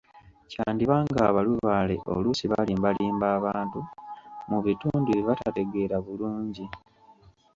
Kyandiba ng’abalubaale oluusi balimbalimba abantu mu bintu bye batategeera bulungi.